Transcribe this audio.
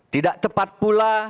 tidak tepat pula